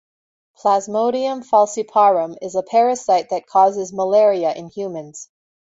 "Plasmodium falciparum" is a parasite that causes malaria in humans.